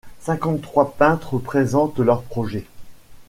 Cinquante-trois peintres présentent leur projet.